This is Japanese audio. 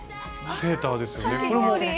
セーターですよね。